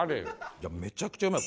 いやめちゃくちゃうまい。